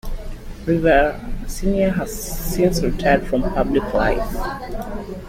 Rivera Senior has since retired from public life.